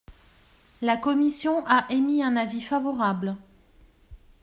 La commission a émis un avis favorable.